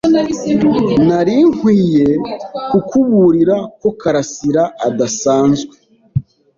Nari nkwiye kukuburira ko Karasiraadasanzwe.